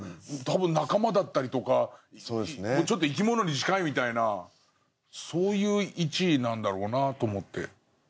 多分仲間だったりとか生き物に近いみたいなそういう位置なんだろうなと思って。